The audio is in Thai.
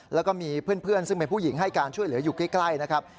แล้วก็มีเพื่อนซึ่งเป็นผู้หญิงให้การช่วยเหลืออยู่ใกล้นะครับ